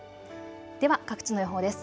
では各地の予報です。